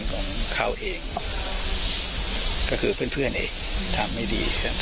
มองวางด้วยก่อนครั้งนี้ได้ไหม